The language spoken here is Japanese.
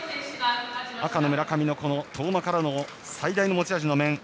赤の村上、遠間からの最大の持ち味の面。